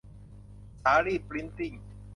สาลี่ พริ้นท์ติ้ง